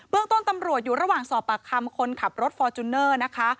เรื่องต้นตำรวจอยู่ระหว่างสอบปากคำคนขับรถฟอร์จูเนอร์นะคะ